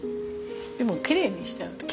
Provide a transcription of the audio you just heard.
でもきれいにしてある。